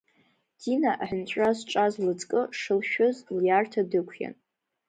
Дина аҳәынҵәра зҿаз лыҵкы шылшәыз лиарҭа дықәиан.